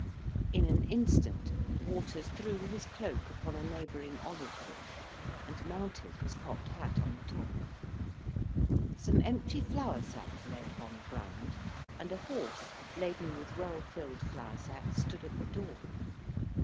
In an instant Waters threw his cloak upon a neighbouring olive bush, and mounted his cocked hat on the top. Some empty flour sacks lay upon the ground, and a horse laden with well filled flour sacks stood at the door.